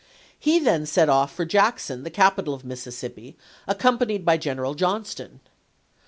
He then set off for Jackson, the capital of Mississippi, accompanied by General Johnston.